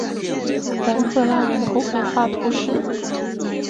然克拉人口变化图示